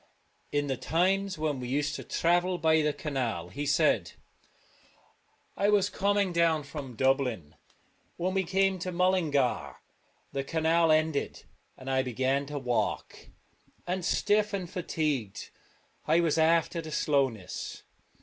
' In the times when we used to travel by the canal,' he said, ' I was coming down from Dublin. When we 152 came to Mullingar the canal ended, and I Drumcliff began to walk, and stiff and fatigued I was after the slowness.